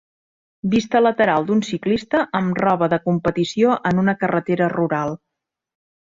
Vista lateral d'un ciclista amb roba de competició en una carretera rural.